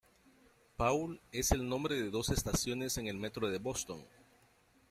Paul es el nombre de dos estaciones en el Metro de Boston.